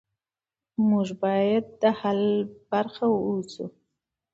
موږ باید د حل برخه اوسو.